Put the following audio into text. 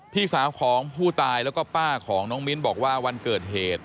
พี่สาวของผู้ตายแล้วก็ป้าของน้องมิ้นบอกว่าวันเกิดเหตุ